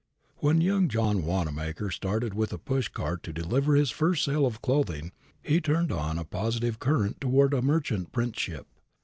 When young John Wanamaker started with a pushcart to deliver his first sale of clothing he turned on a positive current toward a merchant princeship.